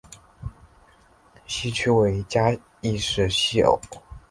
西区位于嘉义市西隅。